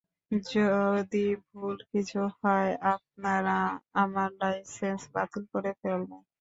যদি ভূল কিছু হয়, আপনারা আমার লাইসেন্স বাতিল করে ফেলবেন।